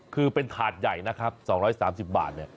คือเป็นถาดใหญ่๒๓๐บาท